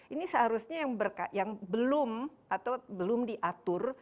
ini seharusnya yang belum atau belum diatur